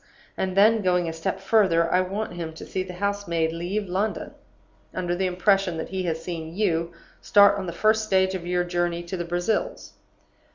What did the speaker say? And then, going a step further, I want him to see the house maid leave London, under the impression that he has seen you start on the first stage of your journey to the Brazils.